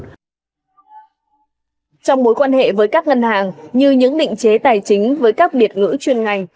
trong mối quan hệ với các ngân hàng như những định chế tài chính với các biệt ngữ chuyên ngành